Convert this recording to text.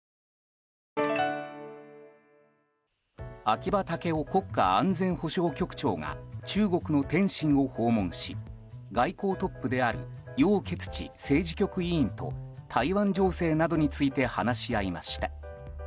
秋葉剛男国家安全保障局長が中国の天津を訪問し外交トップであるヨウ・ケツチ政治局委員と台湾情勢などについて話し合いました。